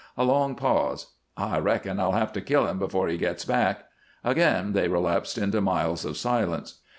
A long pause. "I reckon I'll have to kill him before he gets back!" Again they relapsed into miles of silence.